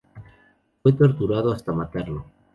Fue torturado hasta matarlo.